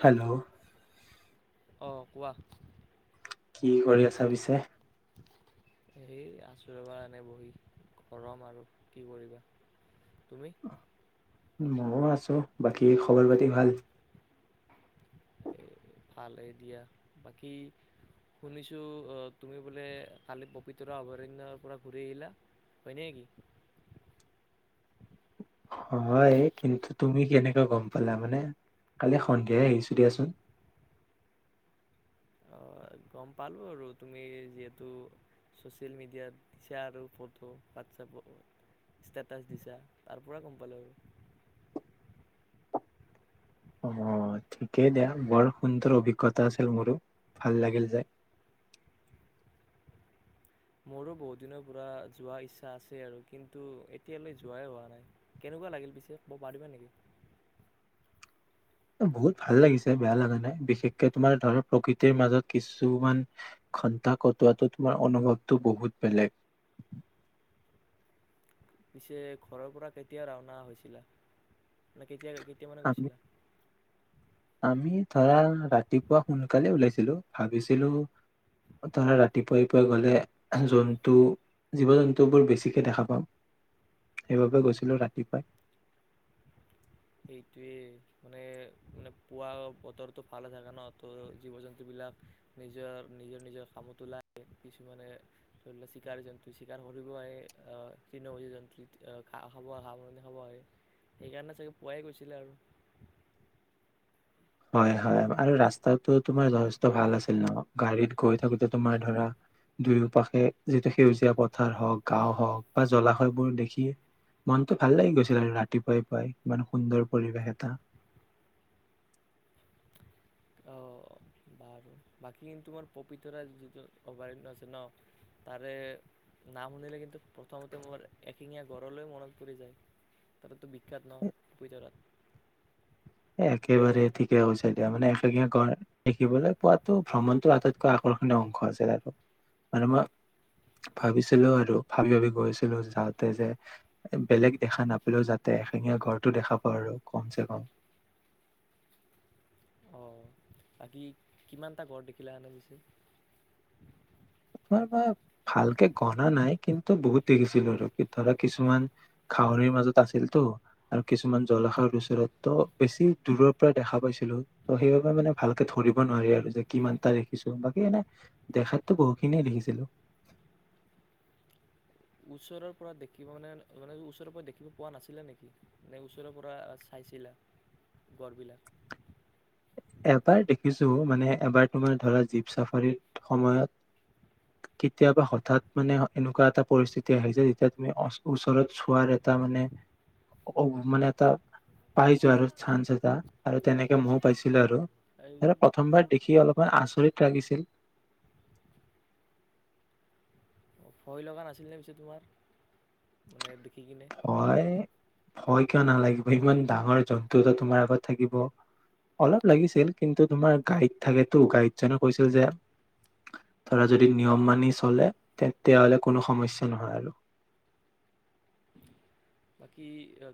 Hello অঁ কোৱা কি কৰি আছা পিছে এই আচৰিব এনে বহি গৰম আৰু কি কৰিবা তুমি ময়ও আছো বাকী খবৰ পাতি ভাল ভালে দিয়া বাকী শুনিছো তুমি বোলে কালি পবিতৰা অভয়াৰণ্যৰ পৰা ঘূৰি আহিলা হয় ন নেকি হয় কিন্তু তুমি কেনেকৈ গম পালা মানে কালি সন্ধিয়াই আহিছো দিয়াচোন অঁ, গম পালোঁ আৰু তুমি যিহেতু ছ'চিয়েল মিডিয়াত দিছা আৰু ফটো হোৱাটছএপত ষ্টেটাছ দিছা তাৰ পৰা গম পালোঁ আৰু অ ঠিকেই দিয়া বৰ সুন্দৰ অভিজ্ঞতা আছিল মোৰো ভাল লাগিল যে মোৰো বহুত দিনৰ পৰাূ যোৱা ইচ্ছা আছে আৰু কিন্তু এতিয়ালৈ যোৱাই হোৱা নাই কেনেকুৱা লাগিল পিছে ক'ব পাৰিবা নেকি বহুত ভাল লাগিছে বেয়া লগা নাই বিশেষকে তোমাৰ ধৰ প্ৰকৃতিৰ মাজত কিছুমান ঘণ্টাা কটোৱাটো তোমাৰ অনুভৱটো বহুত বেলেগ পিছে ঘৰৰ পৰা কেতিয়া ৰাওনা হৈছিলে মানে তিয়া কেতিয়া মানে আমি গৈছিলা আমি ধৰা ৰাতিপুৱা সোনকালে ওলাইছিলো ভাবিছিলো ধৰা ৰাতিপুৱাইপুৱাই গলে জন্তু জীৱ জন্তুবোৰ বেছিকে দেখা পাম সেইবাবে গৈছিলো ৰাতিপুৱাই সেইটোৱে মানে মানে পুৱ বতৰটো ভালে থাকে ন ত' জীৱ জন্তুবিলাক নিজৰ নিজৰ নিজৰ কামত ওলায় কিছুমানে ধৰি ল চিকাৰী জন্তু চিকাৰ কৰিব আহাৰে তৃণমূজ জন্তু খাব সি খাব আহে সেইকাৰণে চাগে পোৱাই গৈছিলে আৰু হয় হয় আৰু ৰাস্তাটো তোমাৰ যথেষ্ট ভাল আছিল ন গাড়ীত গৈ থাকোতে তোমাৰ ধৰা দুয়ো পাশে যিটো সেউজীয়া পথাৰ হওঁক গাও হওক বা জলাশয়বোৰ দেখি মনটো ভাল লাগি গৈছিল আৰু ৰাতিপুৱাই পুৱাই ইমান সুন্দৰ পৰিবেশ এটা বাৰু বাকী কিন্তু মোৰ পপিতৰা যিটো অভয়াৰণ্য আছে ন তাৰে না শুনিলে কিন্তু প্ৰথমতে মোৰ এশিঙীয়া গড়লৈ মনত পৰি যায় তাৰতো বিখ্যাত ন পপিতৰাত এ একেবাৰে ঠিকে হৈছে দিয়া মানে এশেঙীয়া গ় দেখিবলৈ পোৱাতো ভ্ৰমণটোৰ আটাইতকৈ আকৰ্ষণীয় অংশ আছিল আৰু মানে মই ভাবিছিলোও আৰু ভাবি ভাবি গৈছিলো যাওঁতে যে বেলেগ দেখা নাপালেও যাতে এশেঙীয়া গ়টো দেখা পাওঁ আৰু কম চ কম অ', বাকী কিমানটা ঘৰত দেখিলে আনে গিছে তোমাৰ মই ভালকে গনা নাই কিন্তু বহুত দেখিছিলো আৰু কি ধৰা কিছুমান ঘাহনীৰ মাজত আছিলতো আৰু কিছুমান জলাশয়ৰ ওচৰত ত বেছি দূৰৰ পৰা দেখা পাইছিলো ত সেইবাবে মানে ভালকে ধৰিব নোৱাৰি আৰু যে কিমান এটা দেখিছো বাকী এনে দেখাতটো বহুত খিনিয়ে দেখিছিলো ওচৰৰ পৰা দেখিব মানে মানে ওচৰৰ পৰা দেখিব পোৱা নাছিলে নেকি নে ওচৰৰ পৰা চাইছিলে গড়বিলাক এবাৰ দেখিছো মানে এবাৰ তোমাৰ ধৰা জীপ চাফাৰীৰ সময়ত কেতিয়াবা হঠাৎ মানে এনেকুৱা এটা পৰিস্থিতি আহিছে যেতিয়া তুমি ওচৰত চোৱাৰ এটা মানে মানে এটা পাই যোৱা আৰু চান্স এটা আৰু তেনেকে ময়ো পাইছো এই আৰু প্ৰথমবাৰ দেখি অলপমান আচৰিত লাগিছিল। ভয় লগা নাছিলনে পিছে তোমাৰ? মানে দেখি কিনে? ভয়। ভয় কিয় নালাগিব। ইমান ডাঙৰ জন্তু এটা তোমাৰ আগত থাকিব, অলপ লাগিছিল কিন্তু তোমাৰ গাইড থাকেতো গাইডজনে কৈছিল যে ধৰা যদি নিয়ম মানি চলে তেতিয়াহলে কোনো সমস্যা নহয় আৰু। বাকী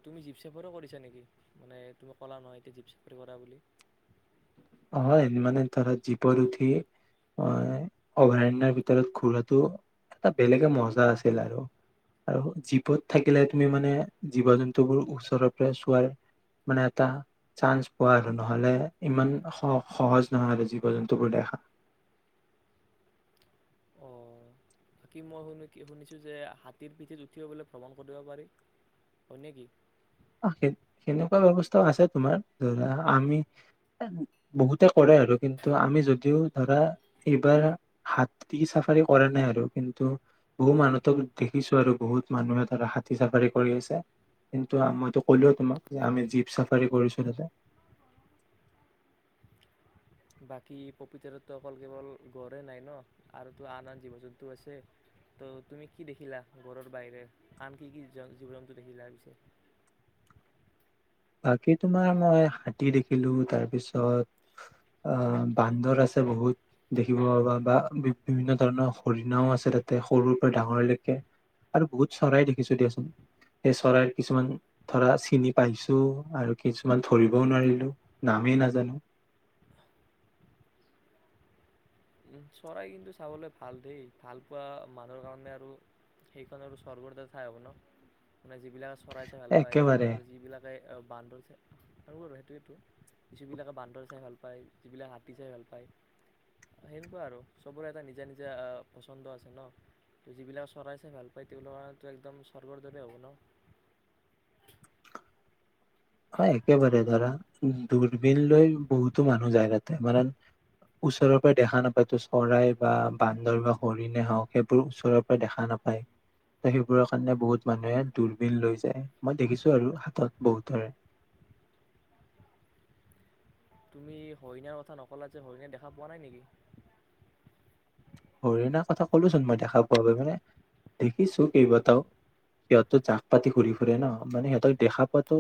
তুমি জীপ চাফাৰো কৰিছা নেকি? মানে তুমি ক'লা নহয় এতিয়া জীপ চাফাৰী কৰা বুলি। হয় মানে ধৰা জীপত উঠি মই অভয়াৰণ্যয়ৰ ভিতৰত ঘুৰাটো এটা বেলেগে মজা আছিল আৰু আৰু জীপত থাকিলে তুমি মানে জীৱ জন্তুবোৰ ওচৰৰ পৰা চোৱাৰ মানে এটা চান্স পোৱা আৰু নহলে ইমান স সহজ নহয় আৰু জীৱ জন্তুবোৰ দেখা। অ'। বাকী মই শু শুনিছো যে হাতীৰ পিঠিত উঠিবলৈ ভ্ৰমণ কৰিব পাৰি হয় নে কি? সেনেকুৱা ব্যৱস্থাও আছে তোমাৰ ধৰা আমি বহুতে কৰে আৰু কিন্তু আমি যদিও ধৰা এইবাৰ হাতী চাফাৰী কৰা নাই আৰু কিন্তু বহু মানুহতক দেখিছো আৰু বহুত মানুহে ধৰা হাতী চাফাৰী কৰি আছে। ন্তু মইতো কলো তোমাক যে আমি জীপ চাফাৰী কৰিছো ততে। বাকী পপীতাৰাতো অকল কেৱল গঢ়ে নাই ন আৰুতো আন আন জীৱ জন্তু আছে ত' তুমি কি দেখিলা ঘৰৰ বাহিৰে আন কি কি জীৱ জন্তু দেখিলা পিছে? বাকী তোমাৰ মই হাতী দেখিলো, তাৰ পিছত আহ বান্দৰ আছে বহুত দেখিব পাবা, বা বি বিভিন্ন ধৰণৰ হৰিণাও আছে, তাতে সৰুৰ পৰা ডাঙৰলৈকে আৰু বহুত চৰাই দেখিছো দিয়াচোন। সেই চৰাইৰ কিছুমান ধৰা চিনি পাইছো। আৰু কিছুমান ধৰিবও নোৱাৰিলো নামেই নাজানো। চৰাই কিন্তু চাবলৈ ভাল দেই ভাল পোৱা মানুহৰ কাৰণে আৰু সেইখন আৰু স্বৰ্গৰদা ঠাই হ'ব ন মানে যিবিলাক চৰাই চাই ভাল পায় একেবাৰে এইাৰ যিবিলাকে বান্দৰ চাই আৰু বাৰ সেইটোৱো যিবিলাকে বান্দৰ চাই ভাল পায় যিবিলাক হাতী চাই ভাল পায় সেনেকুৱা আৰু চবৰে এটা নিজা নিজা পচন্দ আছে ন ত' যিবিলাক চৰাই চাই ভাল পায় তেওঁবিলাকৰ কাৰো একদম স্বৰ্গৰ দৰে হ'ব ন? অ একেবাৰে ধৰা দূৰবিন লৈ বহুতো মানুহ যায়। তাতে মানে ওচৰৰ পৰা দেখা নাপায় তো চৰাই বা বান্দৰ বা হৰিণে হওক সেইবোৰ ওচৰৰ পৰা দেখা নাপায়। সেইবোৰৰ কাৰণে বহুত মানুহে দূৰবিন লৈ যায় মই দেখিছো আৰু হাতত বহুতৰে তুমি হৰিণাৰ কথা নক'লা যে হৰিণে দেখা পোৱা নাই নেকি? হৰিণাৰ কথা কলোচোন মই দেখা পোৱা বুলি মানে দেখিছো কেইবাটাও সিহঁতো জাক পাতি ঘূৰি ফুৰে ন মানে সিহঁতক দেখা পোৱাাতো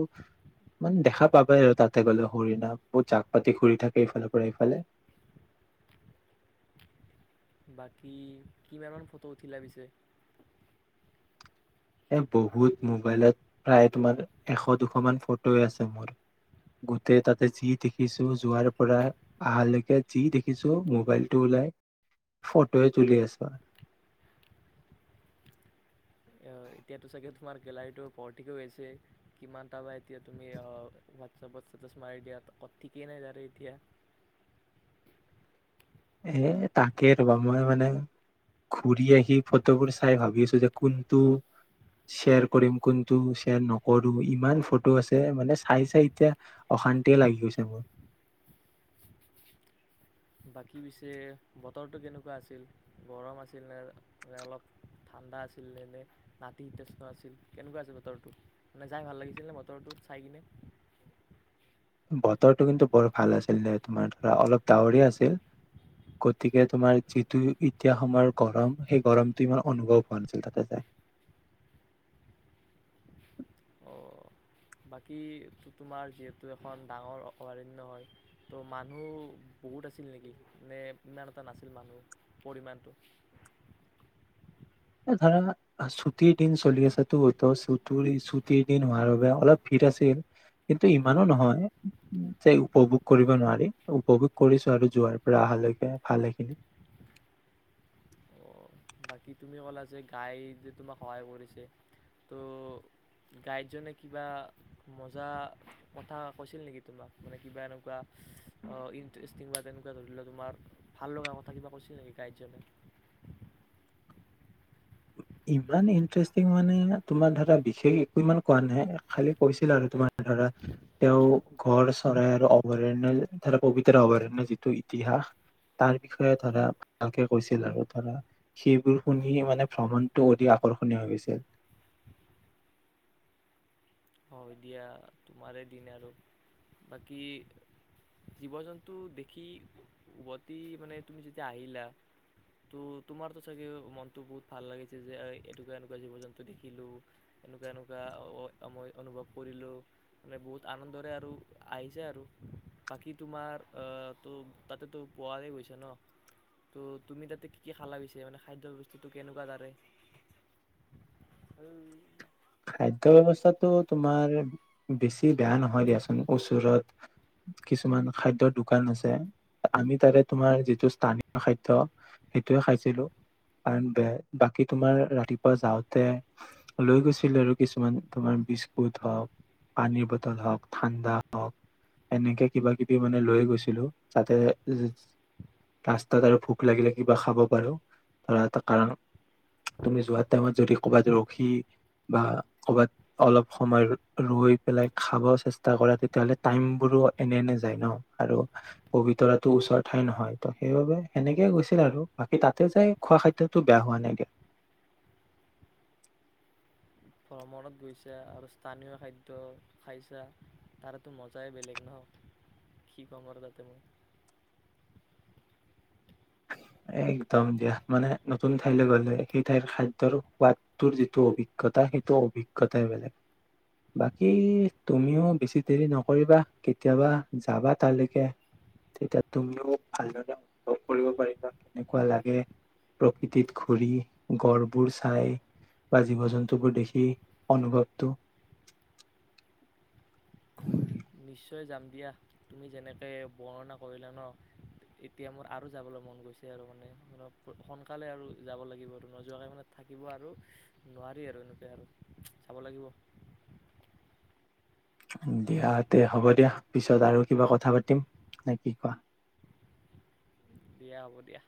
মানে দেখা পাব আৰু তাতে গলে হৰিণা বহুত জাক পাতি ঘুৰি থাকে এইফালৰ পৰা এইফালে বাকী কিমান মান ফটো উঠিলা পিছে? এ বহুত মোবাইলত প্ৰায় তোমাৰ এশ দুশ মান ফটোয় আছে মোৰ গোটেই তাতে যি দেখিছো যোৱাৰ পৰা আহালৈকে যি দেখিছো মোবাইলটো ওলাই ফটোয়ে তুলি আছো আৰ। এতিয়াতো চাগে তোমাৰ গেলাৰীটো ভৰ্টি হৈ আছে। কিমানটা বা এতিয়া তুমি হোৱাটছএপত ষ্টেটাছ মাৰি দিয়া ঠিকেই নাই তাৰে এতিয়া এ তাকে ৰবা, মই মানে ঘূৰি আহি ফটোবোৰ চাই ভাবি আছো যে কোনটো শ্বেয়াৰ কৰিম কোনটো শ্বেয়াৰ নকৰো, ইমান ফটো আছে মানে চাই চাই এতিয়া অশান্তিয়ে লাগি গৈছে মোৰ। বাকী পিছে বতৰটো কেনেকুৱা আছিল? গৰম আছিল নে নে অলপ ঠাণ্ডা আছিল নে নে নাতিশীতোষ্ণ আছিল কেনেকুৱা আছিল বতৰটো? মানে যাই ভাল লাগিছিল নে বতৰটো চাই কিনে? বতৰটো কিন্তু বৰ ভাল আছিল দে তোমাৰ ধৰা অলপ ডাৱৰ আছিল গতিকে তোমাৰ যিটো এতিয়া সময় গৰম সেই গৰমটো ইমান অনুভৱ হোৱা নাছিল তাতে যাই। অঁ বাকী তোমাৰ যিহেতু এখন ডাঙৰ অভয়াৰণ্য হয় ত' মানুহ বহুত আছিল নেকি মানে ইমান এটা নাছিল মানুহ পৰিমাণটো? এ ধৰা ছুটিৰ দিন চলি আছে টু ছুটিৰ দিন হোৱাৰ বাবে অলপ ভিৰ আছিল কিন্তু ইমানো নহয় যে উপভোগ কৰিব নোৱাৰি উপভোগ কৰিছো আৰু যোৱাৰ পৰা অহালৈকে ভালেখিনি। অ' বাকী তুমি ক'লা যে গাইডে তোমাক সহায় কৰিছে ত' গাইডজনে কিবা মজা কথা কৈছিল নেকি তোমাক মানে কিবা এনেকুৱা ইণ্টাৰেষ্টিং বা তেনেকুৱা ধৰি লওক তোমাৰ ভাল লগা কথা কিবা কৈছিল নেকি গাইডজনে? ইমান ইন্টাৰেষ্টিং মানে তোমাৰ ধৰা বিশেষ একো ইমান কোৱা নাই খালি কৈছিল আৰু তোমাৰ ধৰা তেওঁ ঘৰ চৰাই আৰু অভয়াৰণ্য ধৰা পবিতৰা অভয়াৰণ্যয় যিটো ইতিহাস তাৰ বিষয়ে ধৰা ভালকে কৈছিল আৰু ধৰা সেইবোৰ শুনি মানে ভ্ৰমণ টো অতি আকৰ্ষণীয় হৈ গৈছিল। হয় দিয়া তোমাৰে দিন আৰু বাকী জীৱ জন্তু দেখি উভতি মানে তুমি যেতিয়া আহিলা ত তোমাৰতো চাগে মনতটো বহুত ভাল লাগিছে যে এনেকুৱা এনেকুৱা জীৱ জন্তু দেখিলো এনেকুৱা -এনেকুৱাই অম অনুভৱ কৰিলো মানে বহুত আনন্দৰে আৰু আহিছে আৰু বাকী তোমাৰ আহ ত তাতেতো পোৱাই গৈছা ন ত তুমি তাতে কি কি খালা পিছে মানে খাদ্য় বস্তুটো কেনেকুৱা দাৰ খাদ্য ব্যৱস্থাটো তোমাৰ বেছি বেয়া নহয় দিয়াচোন ওচৰত কিছুমান খাদ্যৰ দোকান আছে আমি তাতে তোমাৰ যিটো স্থানীয় খাদ্য সেইটোয়ে খাইছিলো কাৰন বাকি তোমাৰ ৰাতিপুৱা যাওঁতে লৈ গৈছিল। কিন্তু তোমাৰ বিস্কুট হওঁক পানীৰ বটল হওঁক ঠাণ্ডা হওক এনেকে কিবা কিবি মানে লৈ গৈছিলো যাতে ৰাস্তাত আৰু ভোক লাগিলে কিবা খাব পাৰো ধৰা কাৰণ তুমি যোৱা টাইমত যদি ক'বাত ৰখি বা কৰ'বাত অলপ সময় ৰৈ পেলাই খাব চেষ্টা কৰা তেতিয়াাহলে টাইমবোৰো এনে-এনে যায় ন আৰু পবিতৰাতো ওচৰ ঠাই নহয় ত সেইবাবে সেনেকে গৈছিল আৰু বাকী তাতে যাই খোৱা খাদ্যতটো বেয়া হোৱা নাই দিয়া। ভ্ৰমণত গৈছা আৰু স্থানীয় খাদ্য খাইছা তাৰোতো মজাই বেলেগ নহওক কি ক'ম আৰু তাতে মই। একদম দিয়া মানে নতুন ঠাইলৈ গলে সেই ঠাইৰ খাদ্যয়ৰ সোৱাদটোৰ যিটো অভিজ্ঞতা সেইটো অভিজ্ঞতাই বেলেগ বাকী তুমিও বেছি দেৰি নকৰিবা কেতিয়াবা যাবা তালৈকে তেতিয়া তুমিও ভালদৰে কৰিব পাৰি বা কেনেকুৱা লাগে প্ৰকৃতিত ঘূৰি গড়বোৰ চাই বা জীৱ জন্তুবোৰ দেখি অনুভৱটো নিশ্চয় যাম দিয়া তুমি যেনেকৈ বৰ্ণনা কৰিলা ন এতিয়া মোৰ আৰু যাবলৈ মন গৈছে আৰু মানে সোনকালে আৰু যাব লাগিব আৰু নোযোৱাকৈ মানে থাকিব আৰু নোৱাৰি আৰু এনেকুৱা আৰু যাব লাগিব। দিয়া তে হ'ব দিয়া পিছত আৰু কিবা কথা পাতিম নে কি কোৱা? দিয়া হ'ব দিয়া।